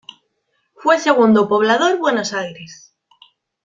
Fue segundo poblador Buenos Aires.